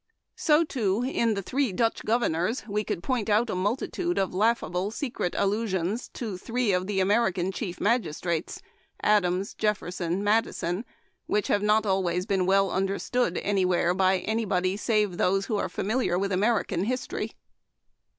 So, too, in the three Dutch governors we could point out a multitude of laughable secret allusions to three of the American chief magistrates — Adams, Jefferson, Madison — which have not always been well un derstood anywhere by any body, save those who are familiar with American history.